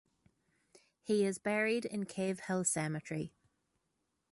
He is buried in Cave Hill Cemetery.